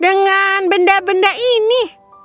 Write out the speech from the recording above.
dengan benda benda ini